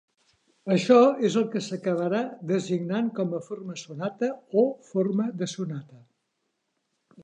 Això és el que s'acabarà designant com a forma sonata o forma de sonata.